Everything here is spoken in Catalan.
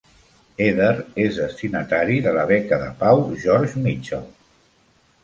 Eder és destinatari de la beca de pau George Mitchell.